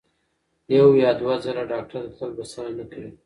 یو یا دوه ځله ډاکټر ته تلل بسنه نه کوي.